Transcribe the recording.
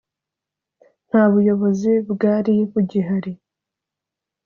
Nta buyobozi bwari bugihari